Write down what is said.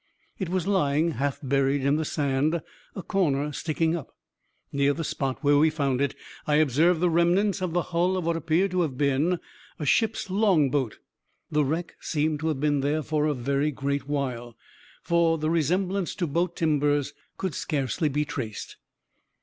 It was lying half buried in the sand, a corner sticking up. Near the spot where we found it, I observed the remnants of the hull of what appeared to have been a ship's long boat. The wreck seemed to have been there for a very great while; for the resemblance to boat timbers could scarcely be traced.